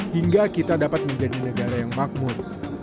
hingga kita dapat menjadi negara yang makmur